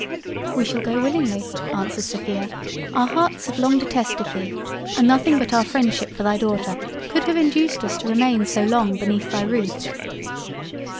"We shall go willingly; (answered Sophia) our hearts have long detested thee, and nothing but our freindship for thy Daughter could have induced us to remain so long beneath thy roof."